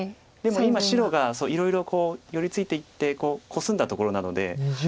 でも今白がいろいろ寄り付いていってコスんだところなので。